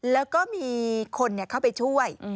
แล้วก็มีคนเข้าไปช่วย